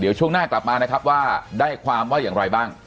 เดี๋ยวช่วงหน้ากลับมานะครับว่าได้ความว่าอย่างไรบ้าง